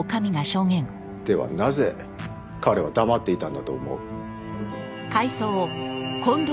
ではなぜ彼は黙っていたんだと思う？